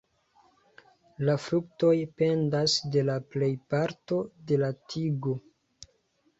La fruktoj pendas de la plejparto de la tigo.